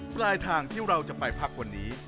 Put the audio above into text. ปลายทางที่เราจะไปพักวันนี้